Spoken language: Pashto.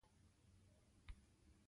چې د طبقاتي ژوند په اړه يې وويلي.